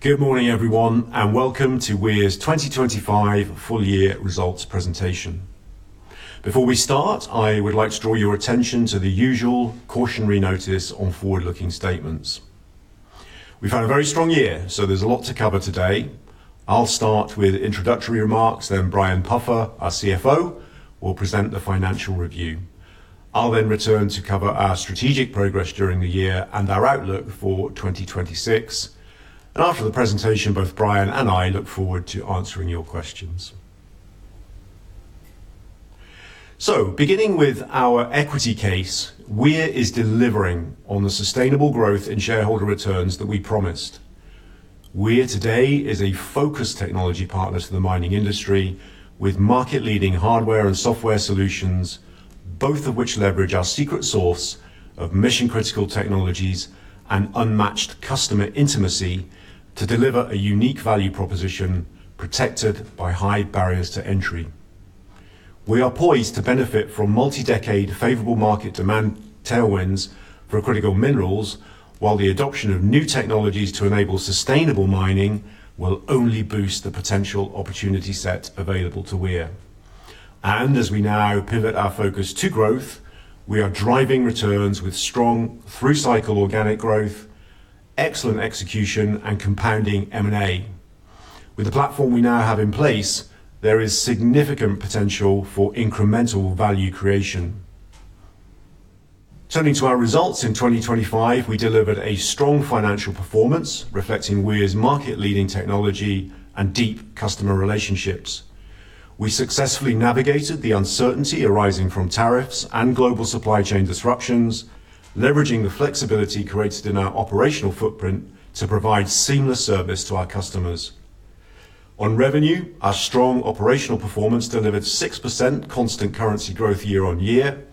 Good morning, everyone, and welcome to Weir's 2025 full year results presentation. Before we start, I would like to draw your attention to the usual cautionary notice on forward-looking statements. We've had a very strong year, so there's a lot to cover today. I'll start with introductory remarks then Brian Puffer, our CFO, will present the financial review. I'll then return to cover our strategic progress during the year and our outlook for 2026. After the presentation, both Brian and I look forward to answering your questions. Beginning with our equity case, Weir is delivering on the sustainable growth in shareholder returns that we promised. Weir today is a focused technology partner to the mining industry with market-leading hardware and software solutions, both of which leverage our secret source of mission-critical technologies and unmatched customer intimacy to deliver a unique value proposition protected by high barriers to entry. We are poised to benefit from multi-decade favorable market demand tailwinds for critical minerals, while the adoption of new technologies to enable sustainable mining will only boost the potential opportunity set available to Weir. As we now pivot our focus to growth, we are driving returns with strong through-cycle organic growth, excellent execution, and compounding M&A. With the platform we now have in place, there is significant potential for incremental value creation. Turning to our results in 2025, we delivered a strong financial performance reflecting Weir's market-leading technology and deep customer relationships. We successfully navigated the uncertainty arising from tariffs and global supply chain disruptions, leveraging the flexibility created in our operational footprint to provide seamless service to our customers. On revenue, our strong operational performance delivered 6% constant currency growth year-on-year.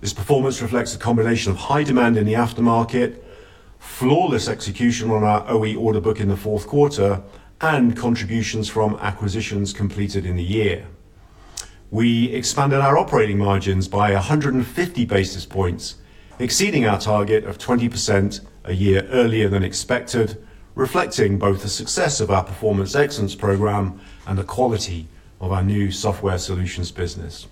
This performance reflects a combination of high demand in the aftermarket, flawless execution on our OE order book in the fourth quarter, and contributions from acquisitions completed in the year. We expanded our operating margins by 150 basis points, exceeding our target of 20% a year earlier than expected, reflecting both the success of our Performance Excellence program and the quality of our new software solutions business.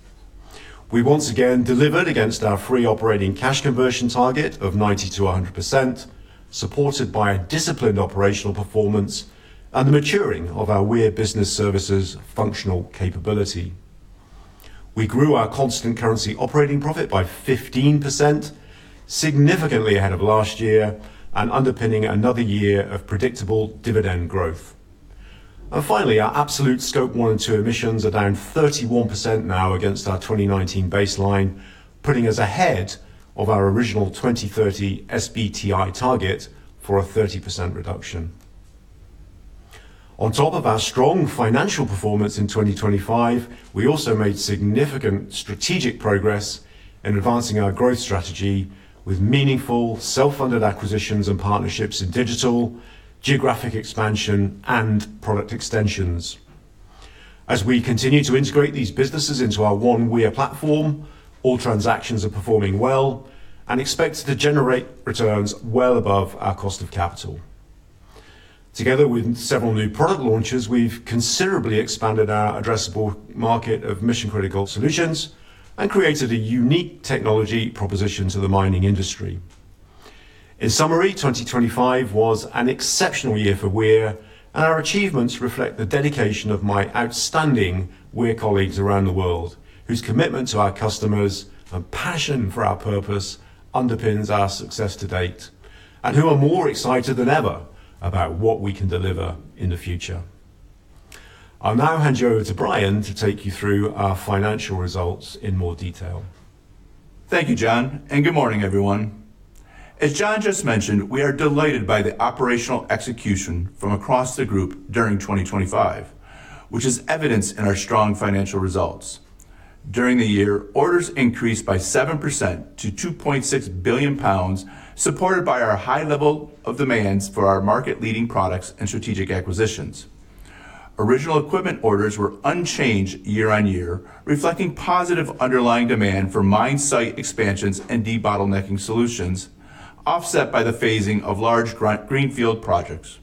We once again delivered against our free operating cash conversion target of 90%-100%, supported by a disciplined operational performance and the maturing of our Weir Business Services functional capability. We grew our constant currency operating profit by 15%, significantly ahead of last year and underpinning another year of predictable dividend growth. Finally, our absolute Scope 1 & 2 emissions are down 31% now against our 2019 baseline, putting us ahead of our original 2030 SBTi target for a 30% reduction. On top of our strong financial performance in 2025, we also made significant strategic progress in advancing our growth strategy with meaningful self-funded acquisitions and partnerships in digital, geographic expansion, and product extensions. As we continue to integrate these businesses into our One Weir platform, all transactions are performing well and expected to generate returns well above our cost of capital. Together with several new product launches, we've considerably expanded our addressable market of mission-critical solutions and created a unique technology proposition to the mining industry. In summary, 2025 was an exceptional year for Weir. Our achievements reflect the dedication of my outstanding Weir colleagues around the world, whose commitment to our customers and passion for our purpose underpins our success to date, and who are more excited than ever about what we can deliver in the future. I'll now hand you over to Brian to take you through our financial results in more detail. Thank you, Jon. Good morning, everyone. As Jon just mentioned, we are delighted by the operational execution from across the group during 2025, which is evidenced in our strong financial results. During the year, orders increased by 7% to 2.6 billion pounds, supported by our high level of demands for our market-leading products and strategic acquisitions. Original equipment orders were unchanged year on year, reflecting positive underlying demand for mine site expansions and debottlenecking solutions, offset by the phasing of large greenfield projects.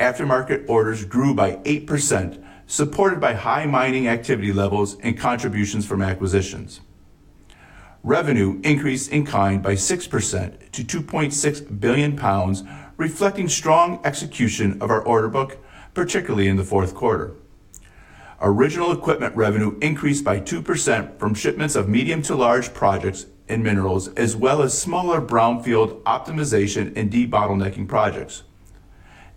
Aftermarket orders grew by 8%, supported by high mining activity levels and contributions from acquisitions. Revenue increased in kind by 6% to 2.6 billion pounds, reflecting strong execution of our order book, particularly in the fourth quarter. Original equipment revenue increased by 2% from shipments of medium to large projects in Minerals, as well as smaller brownfield optimization and debottlenecking projects.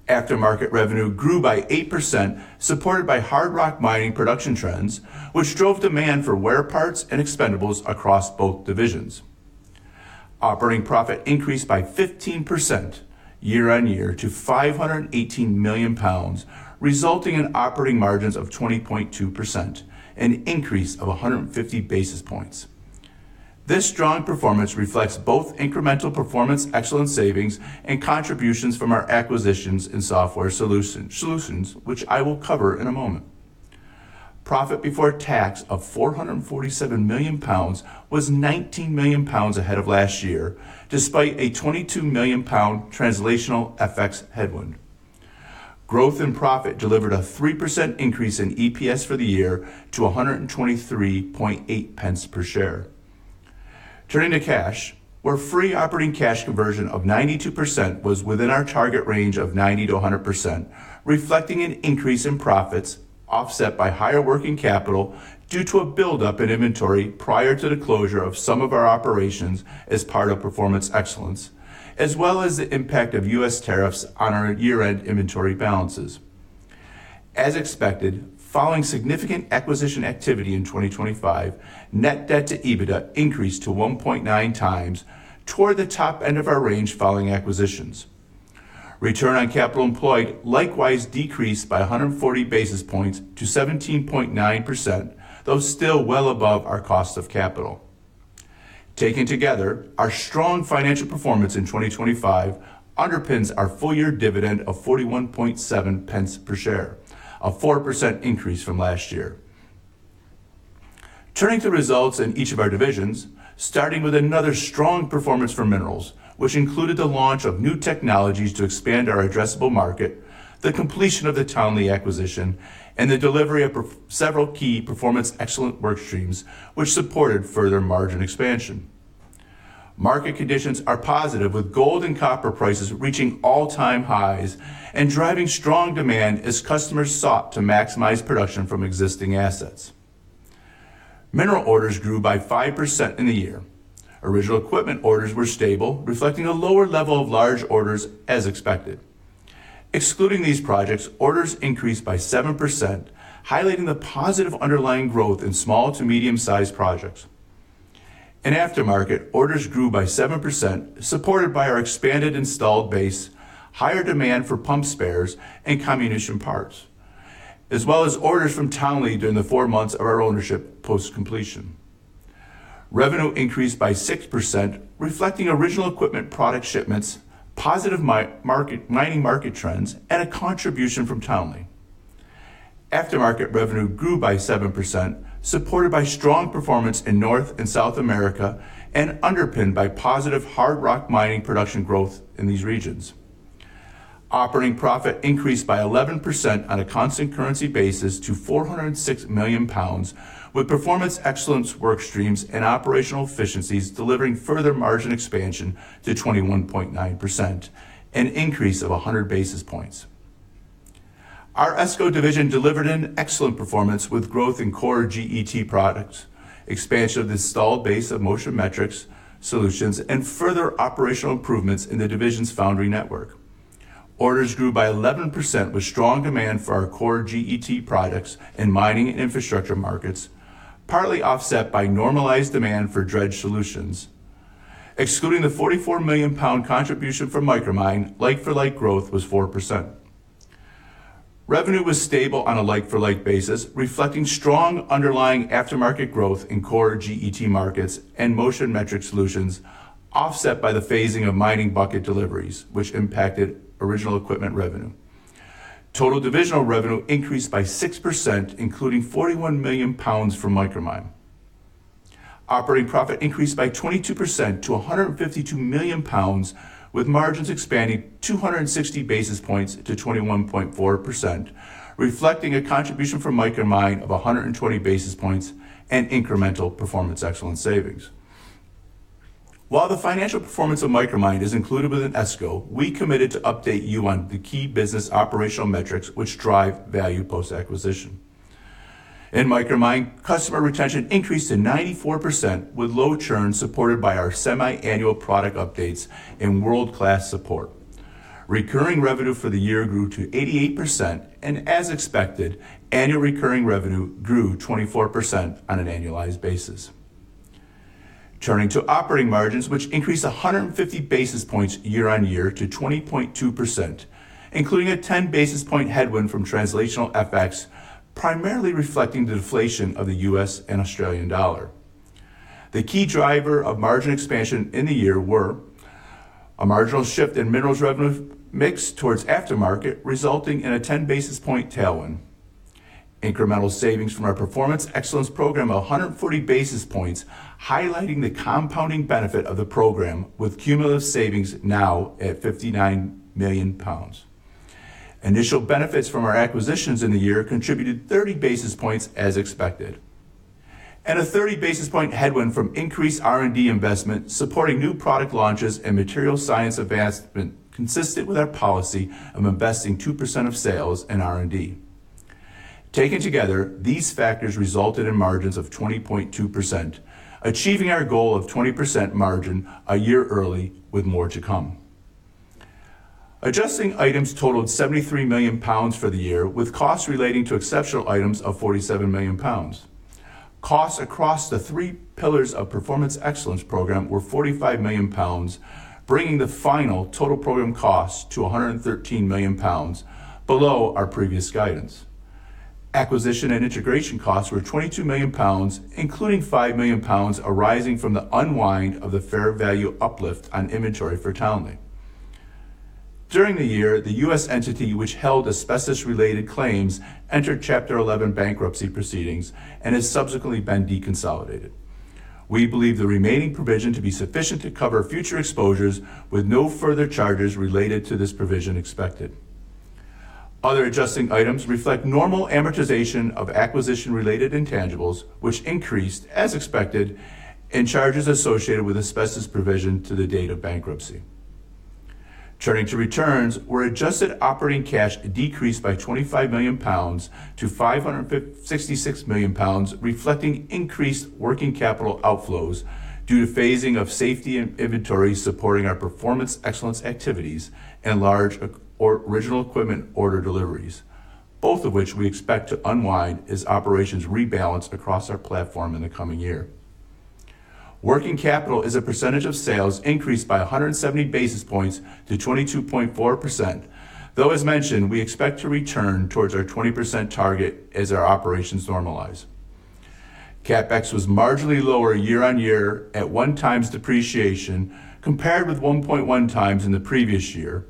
Aftermarket revenue grew by 8%, supported by hard rock mining production trends, which drove demand for wear parts and expendables across both divisions. Operating profit increased by 15% year on year to 518 million pounds, resulting in operating margins of 20.2%, an increase of 150 basis points. This strong performance reflects both incremental Performance Excellence savings and contributions from our acquisitions in software solutions, which I will cover in a moment. Profit before tax of 447 million pounds was 19 million pounds ahead of last year, despite a 22 million pound translational FX headwind. Growth in profit delivered a 3% increase in EPS for the year to 1.238 per share. Turning to cash, our free operating cash conversion of 92% was within our target range of 90%-100%, reflecting an increase in profits offset by higher working capital due to a build-up in inventory prior to the closure of some of our operations as part of Performance Excellence, as well as the impact of U.S. tariffs on our year-end inventory balances. As expected, following significant acquisition activity in 2025, net debt to EBITDA increased to 1.9x toward the top end of our range following acquisitions. Return on capital employed likewise decreased by 140 basis points to 17.9%, though still well above our cost of capital. Taken together, our strong financial performance in 2025 underpins our full year dividend of 41.7 pence per share, a 4% increase from last year. Turning to results in each of our divisions, starting with another strong performance for Minerals, which included the launch of new technologies to expand our addressable market, the completion of the Townley acquisition, and the delivery of several key Performance Excellence work streams which supported further margin expansion. Market conditions are positive with gold and copper prices reaching all-time highs and driving strong demand as customers sought to maximize production from existing assets. Minerals orders grew by 5% in the year. Original Equipment orders were stable, reflecting a lower level of large orders as expected. Excluding these projects, orders increased by 7%, highlighting the positive underlying growth in small to medium-sized projects. In aftermarket, orders grew by 7%, supported by our expanded installed base, higher demand for pump spares and comminution parts, as well as orders from Townley during the four months of our ownership post-completion. Revenue increased by 6%, reflecting original equipment product shipments, positive mining market trends, and a contribution from Townley. Aftermarket revenue grew by 7%, supported by strong performance in North and South America and underpinned by positive hard rock mining production growth in these regions. Operating profit increased by 11% on a constant currency basis to 406 million pounds, with Performance Excellence work streams and operational efficiencies delivering further margin expansion to 21.9%, an increase of 100 basis points. Our ESCO division delivered an excellent performance with growth in core GET products, expansion of the installed base of MOTION METRICS solutions, and further operational improvements in the division's foundry network. Orders grew by 11% with strong demand for our core GET products in mining and infrastructure markets, partly offset by normalized demand for dredge solutions. Excluding the 44 million pound contribution from Micromine, like-for-like growth was 4%. Revenue was stable on a like-for-like basis, reflecting strong underlying aftermarket growth in core GET markets and MOTION METRICS solutions, offset by the phasing of mining bucket deliveries, which impacted original equipment revenue. Total divisional revenue increased by 6%, including 41 million pounds from Micromine. Operating profit increased by 22% to 152 million pounds, with margins expanding 260 basis points to 21.4%, reflecting a contribution from Micromine of 120 basis points and incremental Performance Excellence savings. The financial performance of Micromine is included within ESCO, we committed to update you on the key business operational metrics which drive value post-acquisition. In Micromine, customer retention increased to 94% with low churn supported by our semi-annual product updates and world-class support. Recurring revenue for the year grew to 88%. As expected, annual recurring revenue grew 24% on an annualized basis. Turning to operating margins, which increased 150 basis points year-on-year to 20.2%, including a 10 basis point headwind from translational FX, primarily reflecting the deflation of the US and Australian dollar. The key driver of margin expansion in the year were a marginal shift in Minerals revenue mix towards aftermarket, resulting in a 10 basis point tailwind. Incremental savings from our Performance Excellence program, 140 basis points, highlighting the compounding benefit of the program with cumulative savings now at 59 million pounds. Initial benefits from our acquisitions in the year contributed 30 basis points as expected. A 30 basis point headwind from increased R&D investment supporting new product launches and material science advancement consistent with our policy of investing 2% of sales in R&D. Taken together, these factors resulted in margins of 20.2%, achieving our goal of 20% margin a year early with more to come. Adjusting items totaled 73 million pounds for the year, with costs relating to exceptional items of 47 million pounds. Costs across the three pillars of Performance Excellence program were 45 million pounds, bringing the final total program cost to 113 million pounds below our previous guidance. Acquisition and integration costs were 22 million pounds, including 5 million pounds arising from the unwind of the fair value uplift on inventory for Townley. During the year, the U.S. entity which held asbestos-related claims entered Chapter 11 bankruptcy proceedings and has subsequently been deconsolidated. We believe the remaining provision to be sufficient to cover future exposures with no further charges related to this provision expected. Other adjusting items reflect normal amortization of acquisition-related intangibles, which increased as expected, and charges associated with asbestos provision to the date of bankruptcy. Turning to returns, our adjusted operating cash decreased by 25 million pounds to 556 million pounds, reflecting increased working capital outflows due to phasing of safety and inventory supporting our Performance Excellence activities and large or original equipment order deliveries, both of which we expect to unwind as operations rebalance across our platform in the coming year. Working capital as a percentage of sales increased by 170 basis points to 22.4%, though as mentioned, we expect to return towards our 20% target as our operations normalize. CapEx was marginally lower year-on-year at one time depreciation compared with 1.1x in the previous year,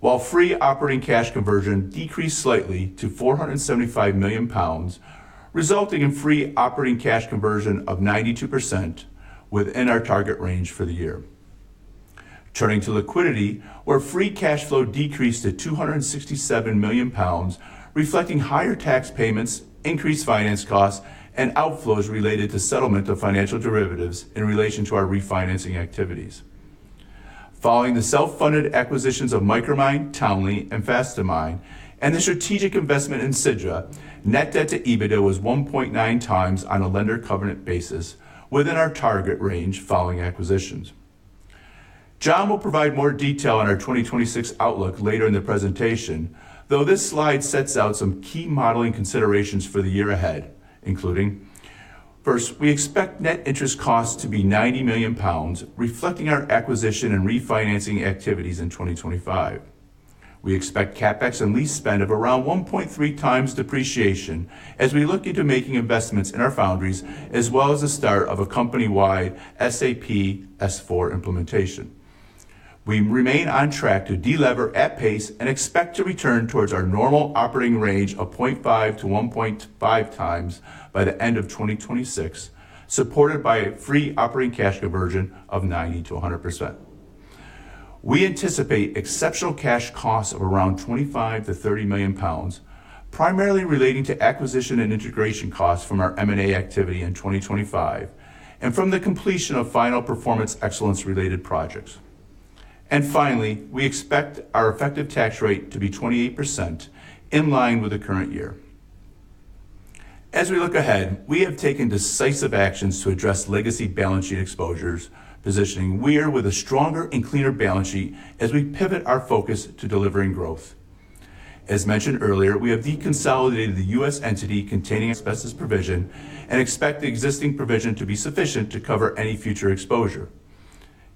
while free operating cash conversion decreased slightly to 475 million pounds, resulting in free operating cash conversion of 92% within our target range for the year. Turning to liquidity, our free cash flow decreased to 267 million pounds, reflecting higher tax payments, increased finance costs, and outflows related to settlement of financial derivatives in relation to our refinancing activities. Following the self-funded acquisitions of Micromine, Townley, and Fast2Mine, and the strategic investment in CiDRA, net debt to EBITDA was 1.9x on a lender covenant basis within our target range following acquisitions. Jon will provide more detail on our 2026 outlook later in the presentation, though this slide sets out some key modeling considerations for the year ahead, including, first, we expect net interest costs to be 90 million pounds, reflecting our acquisition and refinancing activities in 2025. We expect CapEx and lease spend of around 1.3x depreciation as we look into making investments in our foundries, as well as the start of a company-wide SAP S/4 implementation. We remain on track to de-lever at pace and expect to return towards our normal operating range of 0.5x-1.5x by the end of 2026, supported by a free operating cash conversion of 90%-100%. We anticipate exceptional cash costs of around 25 million-30 million pounds, primarily relating to acquisition and integration costs from our M&A activity in 2025 and from the completion of final Performance Excellence-related projects. Finally, we expect our effective tax rate to be 28% in line with the current year. As we look ahead, we have taken decisive actions to address legacy balance sheet exposures, positioning Weir with a stronger and cleaner balance sheet as we pivot our focus to delivering growth. As mentioned earlier, we have deconsolidated the U.S. entity containing asbestos provision and expect the existing provision to be sufficient to cover any future exposure.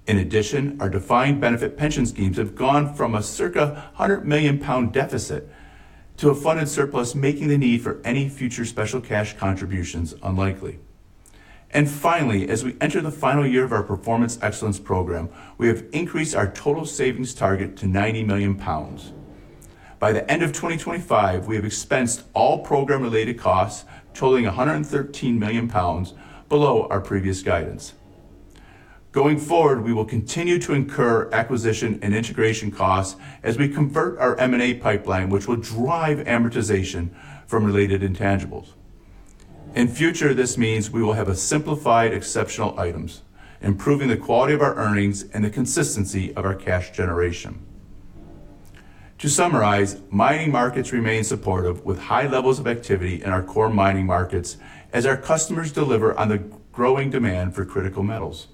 In addition, our defined benefit pension schemes have gone from a circa 100 million pound deficit to a funded surplus, making the need for any future special cash contributions unlikely. Finally, as we enter the final year of our Performance Excellence program, we have increased our total savings target to 90 million pounds. By the end of 2025, we have expensed all program-related costs totaling 113 million pounds below our previous guidance. Going forward, we will continue to incur acquisition and integration costs as we convert our M&A pipeline, which will drive amortization from related intangibles. In future, this means we will have a simplified exceptional items, improving the quality of our earnings and the consistency of our cash generation. To summarize, mining markets remain supportive with high levels of activity in our core mining markets as our customers deliver on the growing demand for critical metals.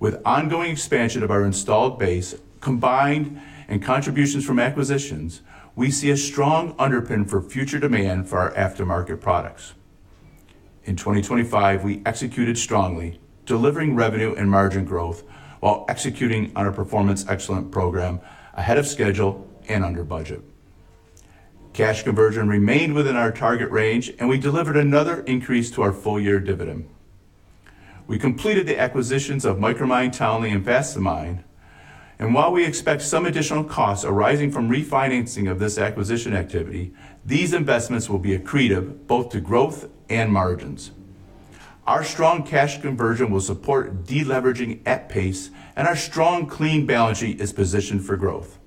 With ongoing expansion of our installed base combined and contributions from acquisitions, we see a strong underpin for future demand for our aftermarket products. In 2025, we executed strongly, delivering revenue and margin growth while executing on our Performance Excellence program ahead of schedule and under budget. Cash conversion remained within our target range, and we delivered another increase to our full year dividend. We completed the acquisitions of Micromine, Townley, and Fast2Mine. While we expect some additional costs arising from refinancing of this acquisition activity, these investments will be accretive both to growth and margins. Our strong cash conversion will support de-leveraging at pace, and our strong, clean balance sheet is positioned for growth.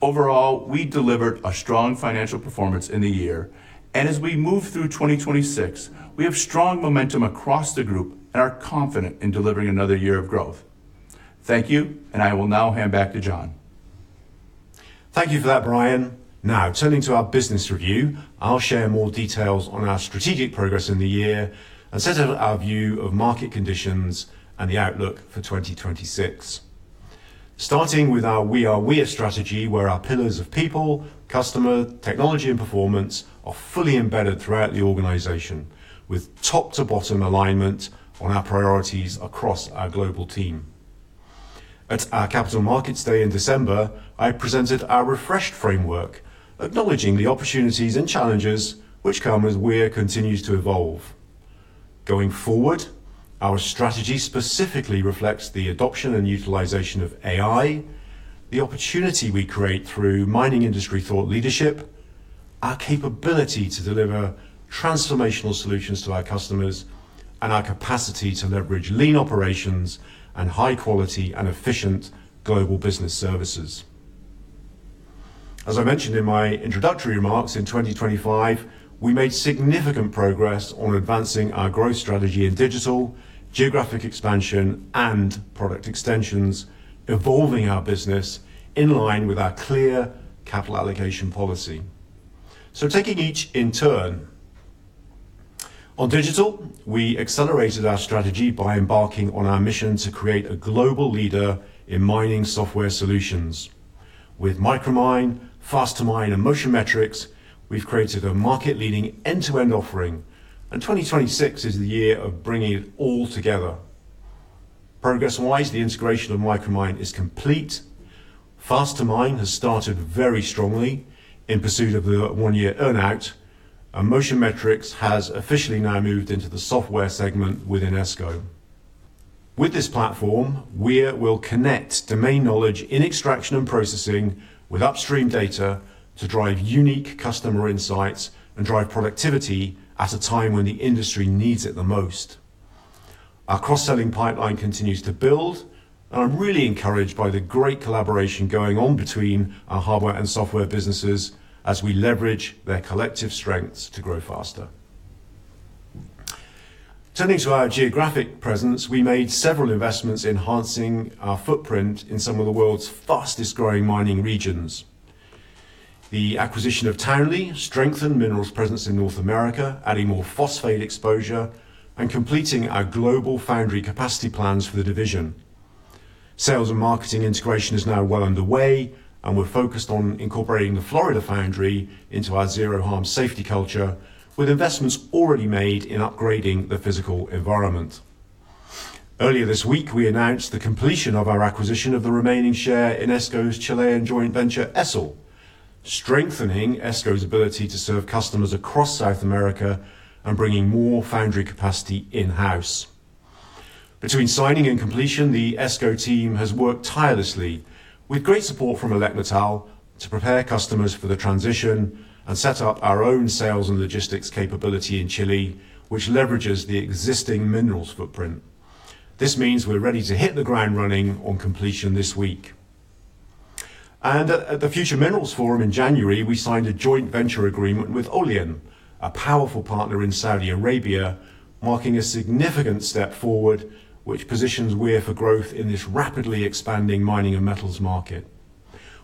Overall, we delivered a strong financial performance in the year. As we move through 2026, we have strong momentum across the group and are confident in delivering another year of growth. Thank you, and I will now hand back to Jon. Thank you for that, Brian. Turning to our business review, I'll share more details on our strategic progress in the year and set out our view of market conditions and the outlook for 2026. Starting with our We Are Weir strategy, where our pillars of people, customer, technology, and performance are fully embedded throughout the organization, with top to bottom alignment on our priorities across our global team. At our Capital Markets Day in December, I presented our refreshed framework, acknowledging the opportunities and challenges which come as Weir continues to evolve. Going foward our strategy specifically reflects the adoption and utilization of AI, the opportunity we create through mining industry thought leadership, our capability to deliver transformational solutions to our customers, and our capacity to leverage lean operations and high quality and efficient global business services. As I mentioned in my introductory remarks, in 2025, we made significant progress on advancing our growth strategy in digital, geographic expansion and product extensions, evolving our business in line with our clear capital allocation policy. Taking each in turn. On digital, we accelerated our strategy by embarking on our mission to create a global leader in mining software solutions. With Micromine, Fast2Mine and MOTION METRICS, we've created a market-leading end-to-end offering, and 2026 is the year of bringing it all together. Progress-wise, the integration of Micromine is complete. Fast2Mine has started very strongly in pursuit of the one-year earn-out, and MOTION METRICS has officially now moved into the software segment within ESCO. With this platform, we will connect domain knowledge in extraction and processing with upstream data to drive unique customer insights and drive productivity at a time when the industry needs it the most. Our cross-selling pipeline continues to build, and I'm really encouraged by the great collaboration going on between our hardware and software businesses as we leverage their collective strengths to grow faster. Turning to our geographic presence, we made several investments enhancing our footprint in some of the world's fastest-growing mining regions. The acquisition of Townley strengthened Minerals presence in North America, adding more phosphate exposure and completing our global foundry capacity plans for the division. Sales and marketing integration is now well underway, and we're focused on incorporating the Florida foundry into our Zero Harm safety culture with investments already made in upgrading the physical environment. Earlier this week, we announced the completion of our acquisition of the remaining share in ESCO's Chilean joint venture, ESEL, strengthening ESCO's ability to serve customers across South America and bringing more foundry capacity in-house. Between signing and completion, the ESCO team has worked tirelessly with great support from Elecmetal to prepare customers for the transition and set up our own sales and logistics capability in Chile, which leverages the existing Minerals footprint. This means we're ready to hit the ground running on completion this week. At the Future Minerals Forum in January, we signed a joint venture agreement with Olayan, a powerful partner in Saudi Arabia, marking a significant step forward which positions Weir for growth in this rapidly expanding mining and metals market.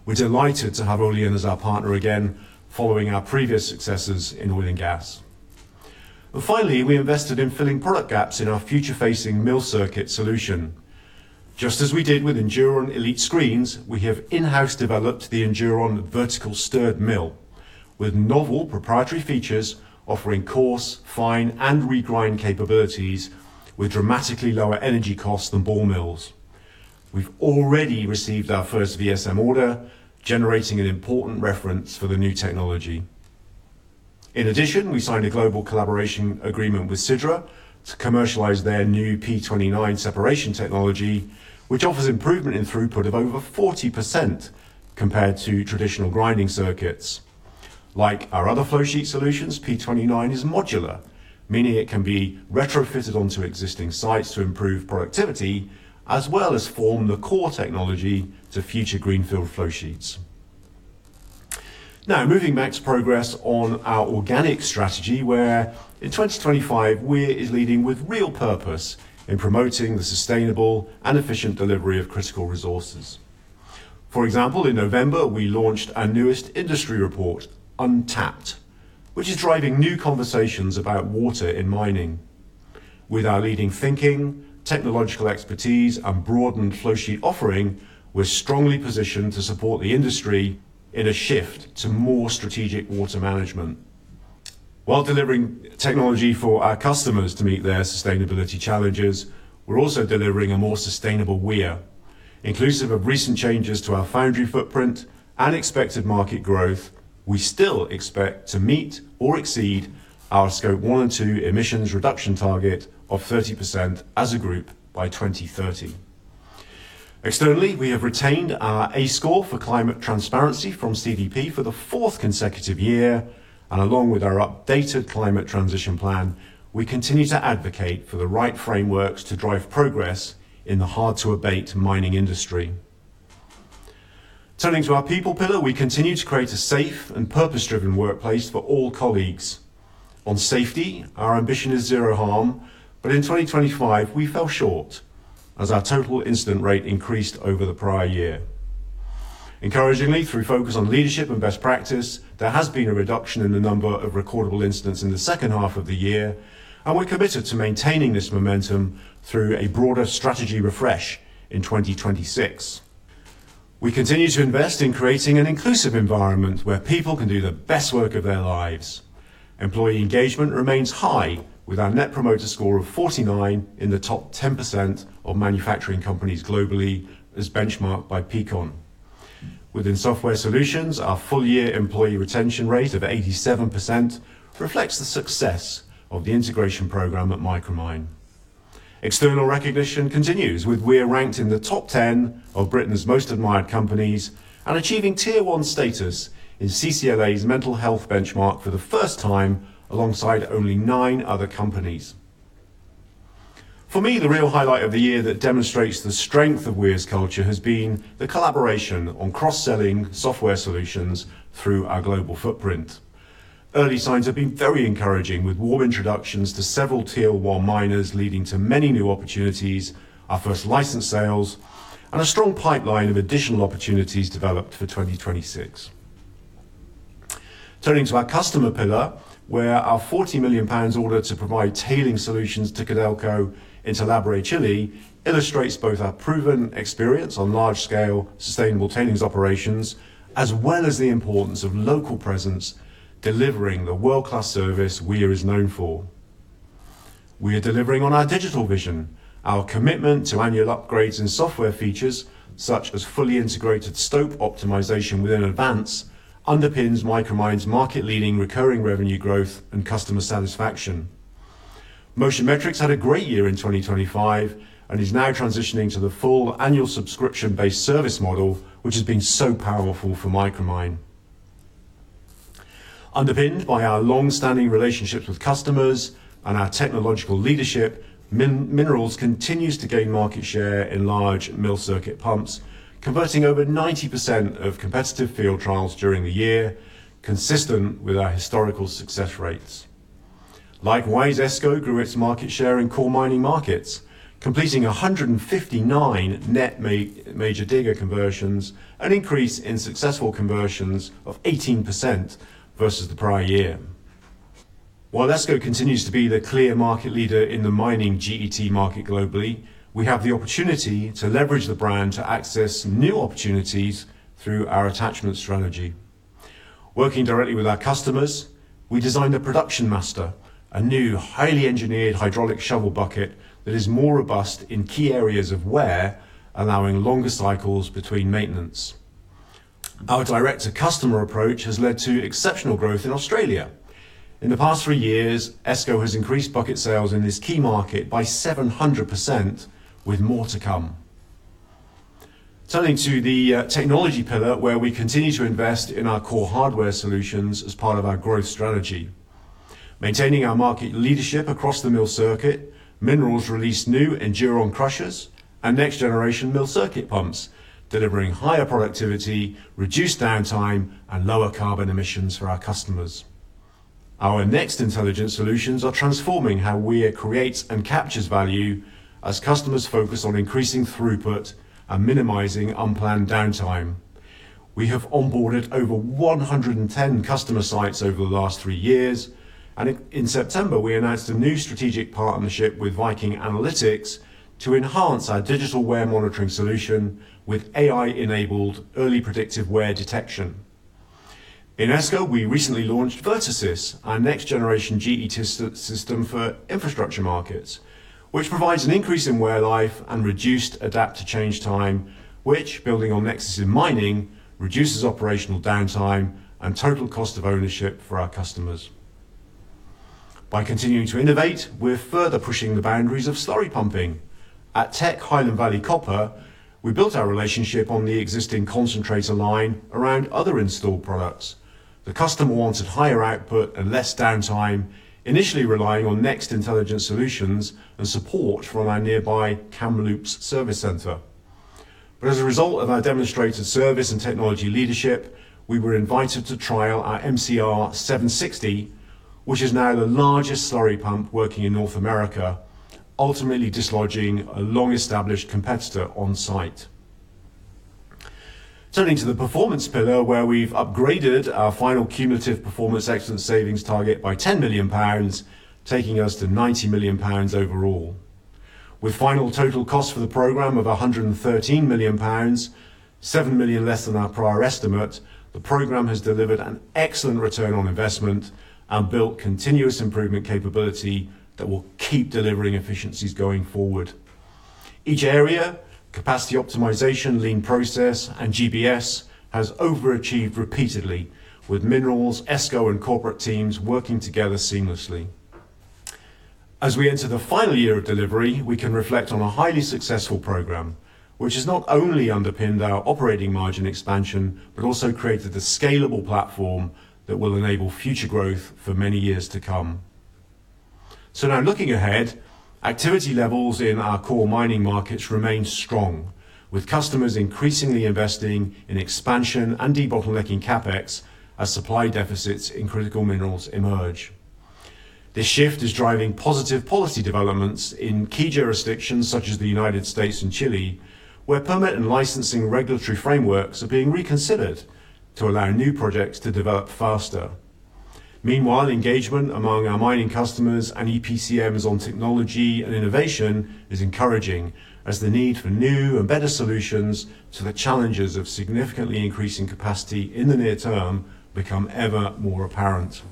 We're delighted to have Olayan as our partner again following our previous successes in oil and gas. Finally, we invested in filling product gaps in our future-facing mill circuit solution. Just as we did with ENDURON Elite screens, we have in-house developed the Enduron Vertical Stirred Mill with novel proprietary features offering coarse, fine and regrind capabilities with dramatically lower energy costs than ball mills. We've already received our first VSM order, generating an important reference for the new technology. We signed a global collaboration agreement with CiDRA to commercialize their new P29 separation technology, which offers improvement in throughput of over 40% compared to traditional grinding circuits. Like our other flow sheet solutions, P29 is modular, meaning it can be retrofitted onto existing sites to improve productivity as well as form the core technology to future greenfield flow sheets. Moving back to progress on our organic strategy, where in 2025, Weir is leading with real purpose in promoting the sustainable and efficient delivery of critical resources. For example, in November, we launched our newest industry report, Untapped, which is driving new conversations about water in mining. With our leading thinking, technological expertise and broadened flow sheet offering, we're strongly positioned to support the industry in a shift to more strategic water management. While delivering technology for our customers to meet their sustainability challenges, we're also delivering a more sustainable Weir. Inclusive of recent changes to our foundry footprint and expected market growth, we still expect to meet or exceed our Scope 1 & 2 emissions reduction target of 30% as a group by 2030. Externally, we have retained our A score for climate transparency from CDP for the fourth consecutive year, and along with our updated climate transition plan, we continue to advocate for the right frameworks to drive progress in the hard-to-abate mining industry. Turning to our people pillar, we continue to create a safe and purpose-driven workplace for all colleagues. On safety, our ambition is Zero Harm, but in 2025 we fell short as our total incident rate increased over the prior year. Encouragingly, through focus on leadership and best practice, there has been a reduction in the number of recordable incidents in the second half of the year, and we're committed to maintaining this momentum through a broader strategy refresh in 2026. We continue to invest in creating an inclusive environment where people can do the best work of their lives. Employee engagement remains high with our Net Promoter Score of 49 in the top 10% of manufacturing companies globally as benchmarked by Peakon. Within software solutions, our full-year employee retention rate of 87% reflects the success of the integration program at Micromine. External recognition continues with Weir ranked in the top 10 of Britain's most admired companies and achieving tier one status in CCLA's mental health benchmark for the first time alongside only nine other companies. For me, the real highlight of the year that demonstrates the strength of Weir's culture has been the collaboration on cross-selling software solutions through our global footprint. Early signs have been very encouraging with warm introductions to several tier one miners leading to many new opportunities, our first license sales, and a strong pipeline of additional opportunities developed for 2026. Turning to our customer pillar, where our 40 million pounds order to provide tailing solutions to Codelco in Talabre, Chile illustrates both our proven experience on large-scale sustainable tailings operations as well as the importance of local presence delivering the world-class service Weir is known for. We are delivering on our digital vision, our commitment to annual upgrades and software features such as fully integrated stope optimization within Advance underpins Micromine's market-leading recurring revenue growth and customer satisfaction. MOTION METRICS had a great year in 2025 and is now transitioning to the full annual subscription-based service model, which has been so powerful for Micromine. Underpinned by our long-standing relationships with customers and our technological leadership, Minerals continues to gain market share in large mill circuit pumps, converting over 90% of competitive field trials during the year, consistent with our historical success rates. Likewise, ESCO grew its market share in core mining markets, completing 159 net major digger conversions, an increase in successful conversions of 18% versus the prior year. While ESCO continues to be the clear market leader in the mining GET market globally, we have the opportunity to leverage the brand to access new opportunities through our attachment strategy. Working directly with our customers, we designed the Production Master, a new highly engineered hydraulic shovel bucket that is more robust in key areas of wear, allowing longer cycles between maintenance. Our direct-to-customer approach has led to exceptional growth in Australia. In the past three years, ESCO has increased bucket sales in this key market by 700% with more to come. Turning to the technology pillar where we continue to invest in our core hardware solutions as part of our growth strategy. Maintaining our market leadership across the mill circuit, Minerals release new ENDURON crushers and next-generation mill circuit pumps, delivering higher productivity, reduced downtime, and lower carbon emissions for our customers. Our NEXT Intelligent Solutions are transforming how Weir creates and captures value as customers focus on increasing throughput and minimizing unplanned downtime. We have onboarded over 110 customer sites over the last three years, and in September, we announced a new strategic partnership with Viking Analytics to enhance our digital wear monitoring solution with AI-enabled early predictive wear detection. In ESCO, we recently launched Vertasys, our next-generation GET system for infrastructure markets, which provides an increase in wear life and reduced adapt-to-change time, which, building on Nexus in mining, reduces operational downtime and total cost of ownership for our customers. By continuing to innovate, we're further pushing the boundaries of slurry pumping. At Teck Highland Valley Copper, we built our relationship on the existing concentrator line around other installed products. The customer wanted higher output and less downtime, initially relying on NEXT Intelligent Solutions and support from our nearby Kamloops service center. As a result of our demonstrated service and technology leadership, we were invited to trial our MCR 760, which is now the largest slurry pump working in North America, ultimately dislodging a long-established competitor on-site. Turning to the Performance pillar, where we've upgraded our final cumulative Performance Excellence savings target by 10 million pounds, taking us to 90 million pounds overall. With final total cost for the program of 113 million pounds, 7 million less than our prior estimate, the program has delivered an excellent ROI and built continuous improvement capability that will keep delivering efficiencies going forward. Each area, capacity optimization, lean process, and GBS, has overachieved repeatedly with Minerals, ESCO, and corporate teams working together seamlessly. As we enter the final year of delivery, we can reflect on a highly successful program, which has not only underpinned our operating margin expansion, but also created a scalable platform that will enable future growth for many years to come. Now looking ahead, activity levels in our core mining markets remain strong, with customers increasingly investing in expansion and debottlenecking CapEx as supply deficits in critical minerals emerge. This shift is driving positive policy developments in key jurisdictions such as the United States and Chile, where permit and licensing regulatory frameworks are being reconsidered to allow new projects to develop faster. Meanwhile, engagement among our mining customers and EPCMs on technology and innovation is encouraging as the need for new and better solutions to the challenges of significantly increasing capacity in the near term become ever more apparent.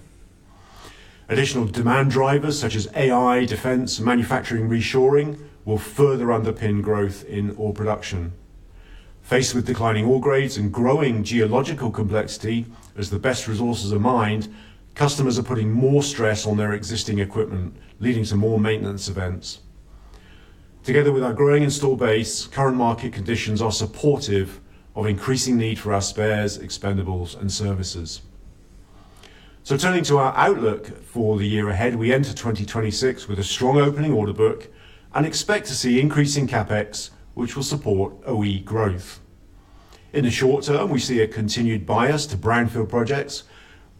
Additional demand drivers such as AI, defense, manufacturing reshoring will further underpin growth in ore production. Faced with declining ore grades and growing geological complexity as the best resources are mined, customers are putting more stress on their existing equipment, leading to more maintenance events. Together with our growing install base, current market conditions are supportive of increasing need for our spares, expendables and services. Turning to our outlook for the year ahead, we enter 2026 with a strong opening order book and expect to see increasing CapEx, which will support OE growth. In the short term, we see a continued bias to brownfield projects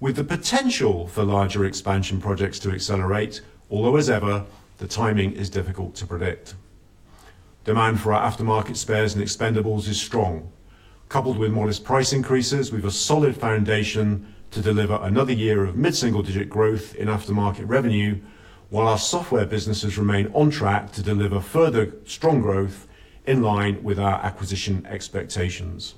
with the potential for larger expansion projects to accelerate, although as ever, the timing is difficult to predict. Demand for our aftermarket spares and expendables is strong. Coupled with modest price increases, we have a solid foundation to deliver another year of mid-single-digit growth in aftermarket revenue, while our software businesses remain on track to deliver further strong growth in line with our acquisition expectations.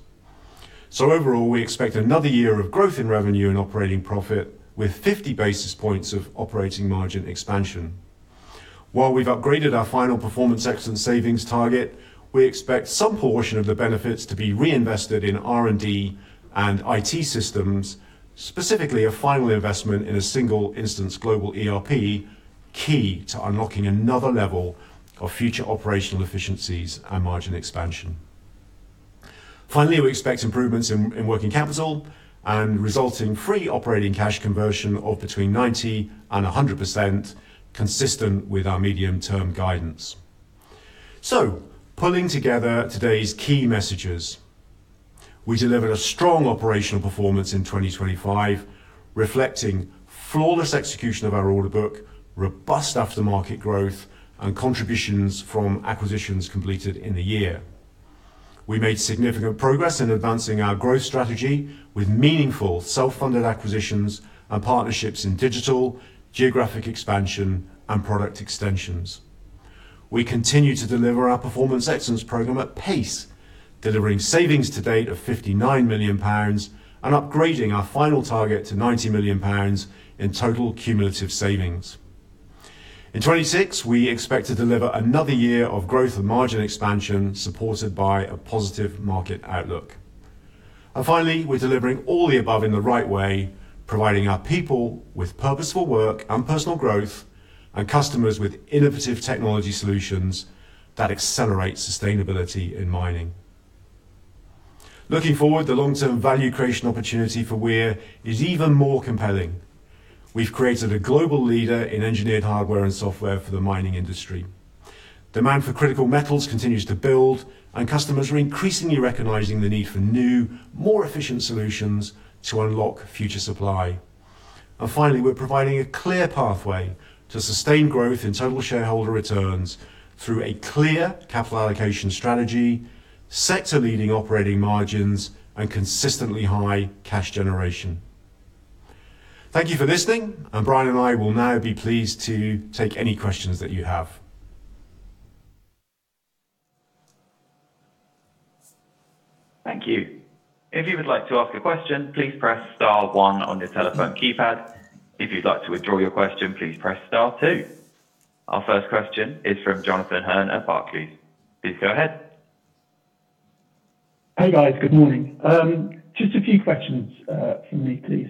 Overall, we expect another year of growth in revenue and operating profit with 50 basis points of operating margin expansion. While we've upgraded our final Performance Excellence savings target, we expect some portion of the benefits to be reinvested in R&D and IT systems, specifically a final investment in a single instance global ERP, key to unlocking another level of future operational efficiencies and margin expansion. Finally, we expect improvements in working capital and resulting free operating cash conversion of between 90% and 100% consistent with our medium-term guidance. Pulling together today's key messages. We delivered a strong operational performance in 2025, reflecting flawless execution of our order book, robust aftermarket growth and contributions from acquisitions completed in the year. We made significant progress in advancing our growth strategy with meaningful self-funded acquisitions and partnerships in digital, geographic expansion, and product extensions. We continue to deliver our Performance Excellence program at pace, delivering savings to date of 59 million pounds and upgrading our final target to 90 million pounds in total cumulative savings. In 2026, we expect to deliver another year of growth and margin expansion supported by a positive market outlook. Finally, we're delivering all the above in the right way, providing our people with purposeful work and personal growth, and customers with innovative technology solutions that accelerate sustainability in mining. Looking forward, the long-term value creation opportunity for Weir is even more compelling. We've created a global leader in engineered hardware and software for the mining industry. Demand for critical metals continues to build, and customers are increasingly recognizing the need for new, more efficient solutions to unlock future supply. Finally, we're providing a clear pathway to sustain growth in total shareholder returns through a clear capital allocation strategy, sector-leading operating margins, and consistently high cash generation. Thank you for listening, and Brian and I will now be pleased to take any questions that you have. Thank you. If you would like to ask a question, please press star one on your telephone keypad. If you'd like to withdraw your question, please press star two. Our first question is from Jonathan Hearn at Barclays. Please go ahead. Hey, guys. Good morning. Just a few questions from me please.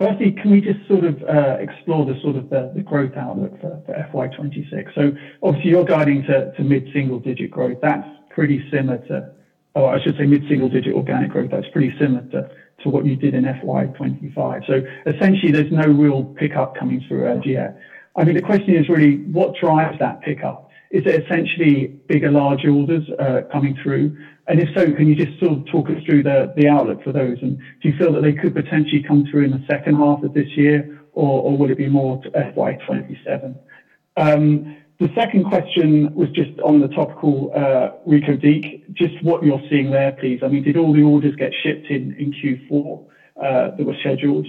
Firstly, can we just sort of explore the growth outlook for FY 2026? Obviously you're guiding to mid-single digit growth. That's pretty similar to mid-single digit organic growth. That's pretty similar to what you did in FY 2025. Essentially there's no real pickup coming through as yet. I mean, the question is really what drives that pickup? Is it essentially bigger, larger orders coming through? If so, can you just sort of talk us through the outlook for those? Do you feel that they could potentially come through in the second half of this year or will it be more to FY 2027? The second question was just on the topical Reko Diq, just what you're seeing there, please. Did all the orders get shipped in Q4 that were scheduled?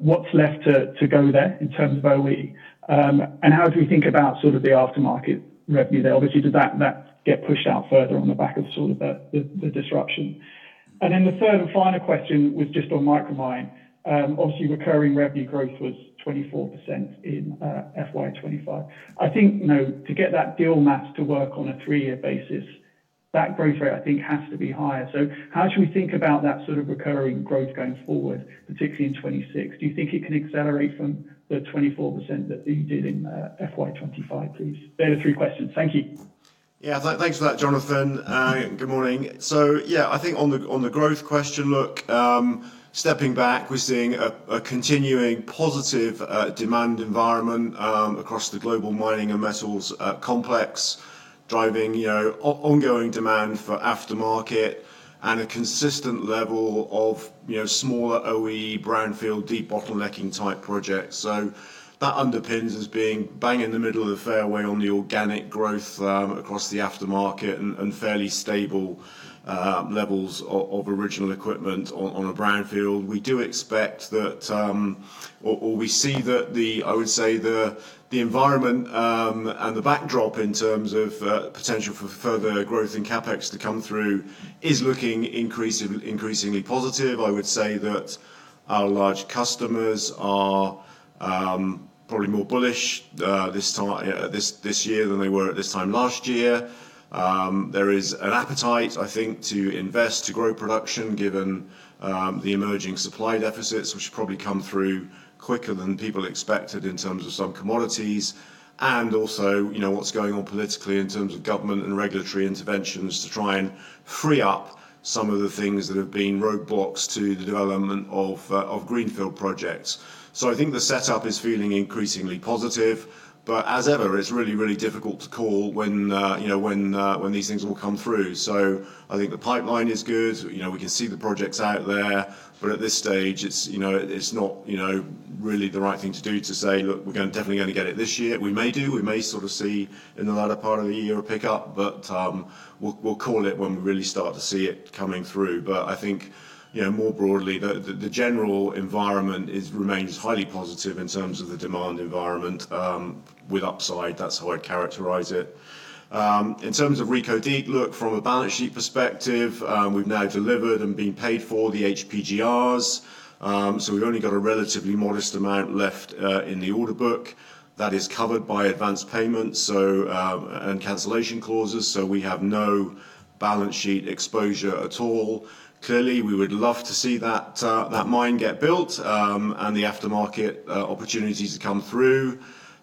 What's left to go there in terms of OE? How do we think about sort of the aftermarket revenue there? Obviously, did that get pushed out further on the back of sort of the disruption? The third and final question was just on Micromine. Obviously recurring revenue growth was 24% in FY 2025. I think, you know, to get that deal math to work on a three-year basis, that growth rate I think has to be higher. How should we think about that sort of recurring growth going forward, particularly in 2026? Do you think it can accelerate from the 24% that you did in FY 2025 please? They are the three questions. Thank you. Yeah, thanks for that, Jonathan. Good morning. Yeah, I think on the, on the growth question, look, stepping back, we're seeing a continuing positive demand environment across the global mining and metals complex driving, you know, ongoing demand for aftermarket and a consistent level of, you know, smaller OE brownfield deep bottlenecking-type projects. That underpins as being bang in the middle of the fairway on the organic growth across the aftermarket and fairly stable levels of original equipment on a brownfield. We do expect that, or we see that the I would say the environment and the backdrop in terms of potential for further growth in CapEx to come through is looking increasingly positive. I would say that our large customers are, probably more bullish this year than they were at this time last year. There is an appetite, I think, to invest to grow production, given the emerging supply deficits, which probably come through quicker than people expected in terms of some commodities. Also, you know, what's going on politically in terms of government and regulatory interventions to try and free up some of the things that have been roadblocks to the development of greenfield projects. I think the setup is feeling increasingly positive, but as ever, it's really, really difficult to call when, you know, when these things will come through. I think the pipeline is good. You know, we can see the projects out there, At this stage it's, you know, it's not, you know, really the right thing to do to say, "Look, we're definitely gonna get it this year." We may do, we may sort of see in the latter part of the year a pickup, but we'll call it when we really start to see it coming through. I think, you know, more broadly, the general environment remains highly positive in terms of the demand environment, with upside. That's how I'd characterize it. In terms of Reko Diq, look, from a balance sheet perspective, we've now delivered and been paid for the HPGRs. We've only got a relatively modest amount left in the order book. That is covered by advanced payments and cancellation clauses, so we have no balance sheet exposure at all. Clearly, we would love to see that mine get built, and the aftermarket opportunities to come through.